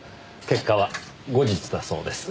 結果は後日だそうです。